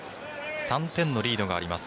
３点のリードがあります